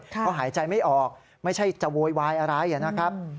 เขาหายใจไม่ออกไม่ใช่จะโวยวายอะไรนะครับ